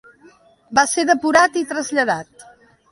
Va ser depurat i traslladat.